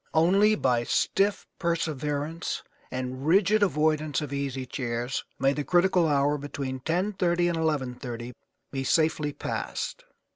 Only by stiff perseverance and rigid avoidance of easy chairs may the critical hour between 10:30 and 11:30 be safely passed.